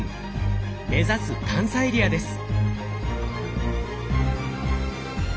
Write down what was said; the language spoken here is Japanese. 目指す探査エリアです。